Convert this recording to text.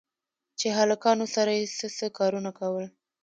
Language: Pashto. چې هلکانو سره يې څه څه کارونه کول.